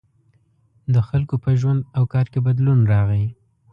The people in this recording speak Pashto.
• د خلکو په ژوند او کار کې بدلون راغی.